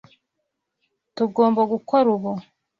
Tugomba gukora ubu.